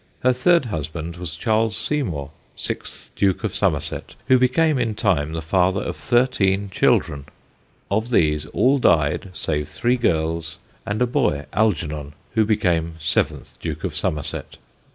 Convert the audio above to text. Her third husband was Charles Seymour, sixth Duke of Somerset, who became in time the father of thirteen children. Of these all died save three girls, and a boy, Algernon, who became seventh Duke of Somerset.